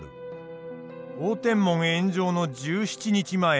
応天門炎上の１７日前。